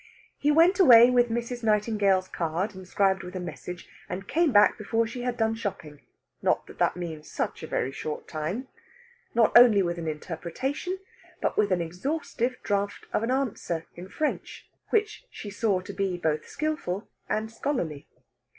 He went away with Mrs. Nightingale's card, inscribed with a message, and came back before she had done shopping (not that that means such a very short time), not only with an interpretation, but with an exhaustive draft of an answer in French, which she saw to be both skilful and scholarly.